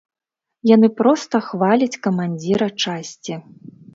Яны проста хваляць камандзіра часці.